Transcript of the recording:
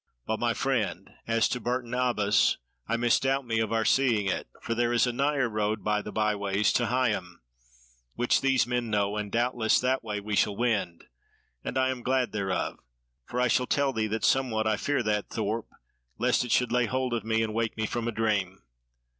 But, my friend, as to Bourton Abbas, I misdoubt me of our seeing it; for there is a nigher road by the by ways to Higham, which these men know, and doubtless that way we shall wend: and I am glad thereof; for I shall tell thee, that somewhat I fear that thorp, lest it should lay hold of me, and wake me from a dream."